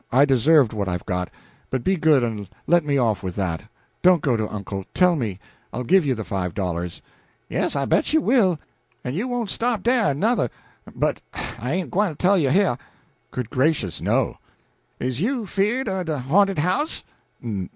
I deserved what I've got, but be good and let me off with that. Don't go to uncle. Tell me I'll give you the five dollars." "Yes, I bet you will; en you won't stop dah, nuther. But I ain't gwine to tell you heah " "Good gracious, no!" "Is you 'feared o' de ha'nted house?"